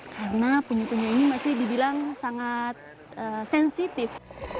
karena penyu penyu ini masih dibilang sangat sensitif